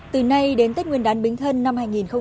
từ nay đến tết nguyên án bính thân năm hai nghìn một mươi sáu